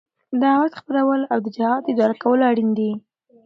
دعوت خپرول او د جهاد اداره کول اړين دي.